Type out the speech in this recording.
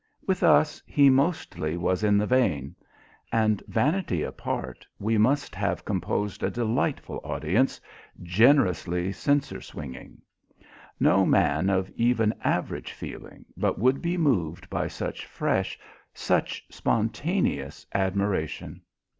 With us he mostly was in the vein. And, vanity apart, we must have composed a delightful audience, generously censer swinging. No man of even average feeling but would be moved by such fresh, such spontaneous admiration!